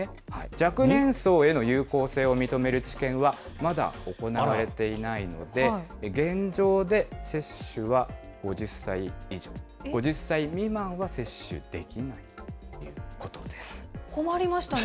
若年層への有効性を認める治験は、まだ行われていないので、現状で接種は５０歳以上、５０歳未満は接種できないということで困りましたね。